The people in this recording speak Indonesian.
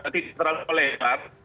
tidak terlalu lebar